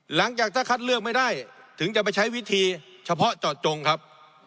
หลังจากถ้าคัดเลือกไม่ได้ถึงจะไปใช้วิธีเฉพาะเจาะจงครับ